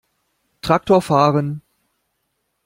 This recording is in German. Traktor fahren!